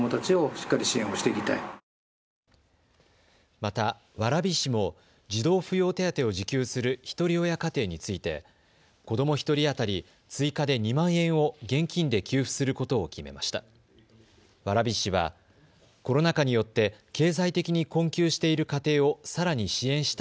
また、蕨市も児童扶養手当を受給するひとり親家庭について子ども１人当たり追加で２万円を現金で給付することを決めました。